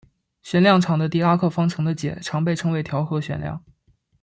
旋量场的狄拉克方程的解常被称为调和旋量。